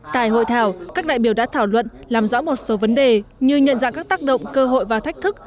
tại hội thảo các đại biểu đã thảo luận làm rõ một số vấn đề như nhận dạng các tác động cơ hội và thách thức